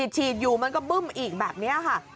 ฉีดอยู่มันก็บึ้มอีกแบบนี้ค่ะ